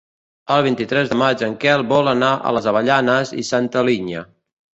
El vint-i-tres de maig en Quel vol anar a les Avellanes i Santa Linya.